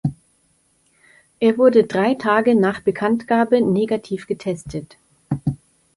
Er wurde drei Tage nach Bekanntgabe negativ getestet.